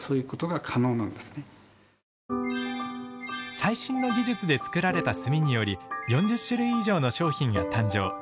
最新の技術で作られた炭により４０種類以上の商品が誕生。